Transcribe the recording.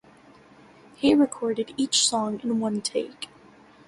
Hay recorded each song in one take.